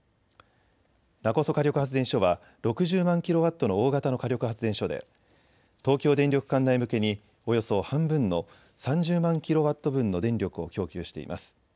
勿来火力発電所は６０万キロワットの大型の火力発電所で東京電力管内向けにおよそ半分の３０万キロワット分の電力を供給しています。